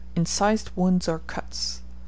Incised wounds or cuts.